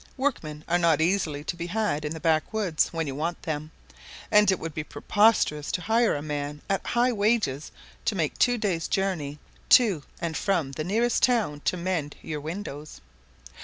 Workmen are not easily to be had in the backwoods when you want them, and it would be preposterous to hire a man at high wages to make two days' journey to and from the nearest town to mend your windows.